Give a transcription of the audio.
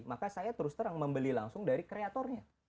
maka saya terus terang membeli langsung dari kreatornya